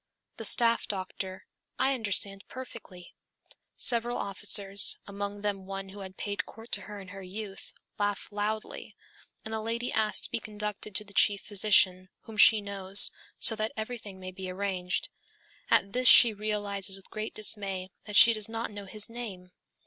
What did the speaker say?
The staff doctor, 'I understand perfectly.' Several officers, among them one who had paid court to her in her youth, laugh loudly, and the lady asks to be conducted to the chief physician, whom she knows, so that everything may be arranged. At this she realizes with great dismay that she does not know his name.